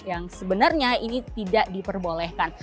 yang sebenarnya ini tidak diperbolehkan